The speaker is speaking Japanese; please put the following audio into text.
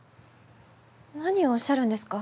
何をおっしゃるんですか？